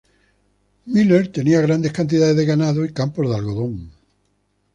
Miller tenía grandes cantidades de ganado, y campos de algodón.